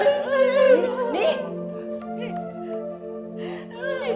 ibu mau pergi